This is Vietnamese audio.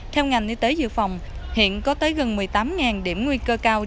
theo ngành y tế dự phòng hiện có tới gần một mươi tám điểm nguy cơ cao